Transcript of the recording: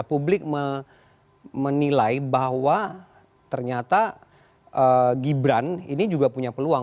publik menilai bahwa ternyata gibran ini juga punya peluang